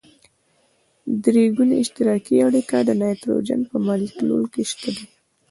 درې ګوني اشتراکي اړیکه د نایتروجن په مالیکول کې شته ده.